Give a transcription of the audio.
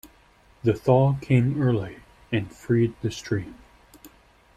The thaw came early and freed the stream.